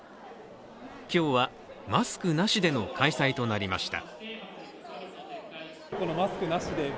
今日はマスクなしでの開催となりました。